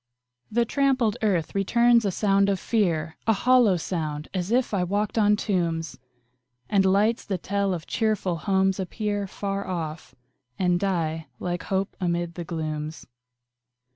The trampled earth returns a sound of fear A hollow sound, as if I walked on tombs! And lights, that tell of cheerful homes, appear Far off, and die like hope amid the glooms.